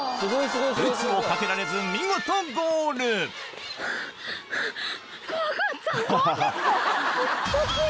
ブツをかけられず見事ゴールハァハァ。怖かった？